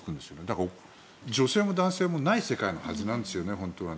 だから、女性も男性もない世界のはずなんですよね本当は。